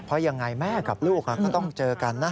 เพราะยังไงแม่กับลูกก็ต้องเจอกันนะ